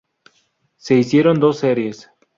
Se hicieron dos series.